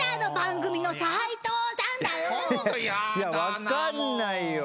分かんないよ。